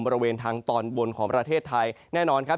บริเวณทางตอนบนของประเทศไทยแน่นอนครับ